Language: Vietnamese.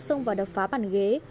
xông vào đập phá